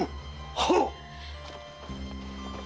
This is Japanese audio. はっ！